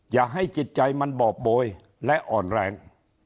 อย่าให้จิตใจมันบอบโบยและอ่อนแรง